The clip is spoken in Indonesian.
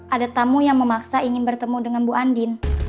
ada tamu yang memaksa ingin bertemu dengan bu andin